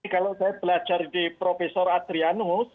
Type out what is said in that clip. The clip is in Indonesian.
kalau saya belajar di prof adrianus